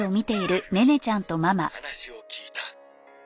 「話を聞いた」